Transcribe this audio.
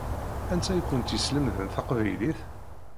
Anta i kent-yeslemden taqbaylit?